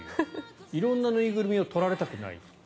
色んな縫いぐるみを取られたくない。